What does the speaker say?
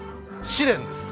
試練です。